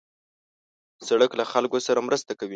سړک له خلکو سره مرسته کوي.